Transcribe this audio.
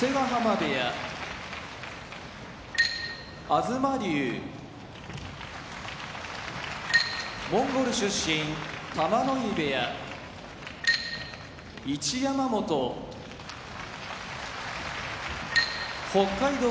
東龍モンゴル出身玉ノ井部屋一山本北海道